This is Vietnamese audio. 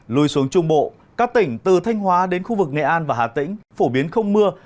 lùi xuống trung bộ các tỉnh từ thanh hóa đến khu vực nghệ an và hà tĩnh phổ biến không mưa